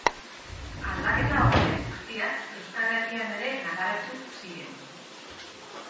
Aldaketa horiek guztiak Euskal Herrian ere nabaritu ziren.